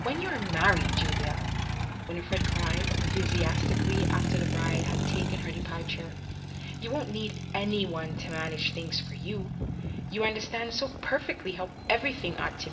"When you are married, Julia," Winifred cried, enthusiastically, after the bride had taken her de parture, " you won't need any one to manage things ioi you, you understand so perfectly how everything ought to be done."